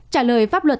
trả lời pháp luật